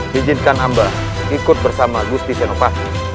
bijinkan hamba ikut bersama gusti senopalit